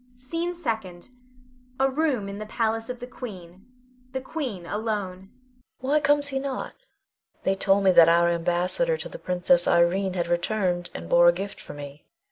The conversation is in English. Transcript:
SCENE SECOND. [A room in the palace of The Queen. The Queen alone.] Queen. Why comes he not? They told me that our ambassador to the Princess Irene had returned, and bore a gift for me.